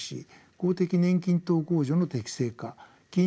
公的年金等控除の適正化金融